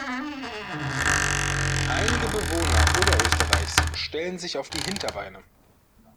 Einige Bewohner Oberösterreichs stellen sich auf die Hinterbeine.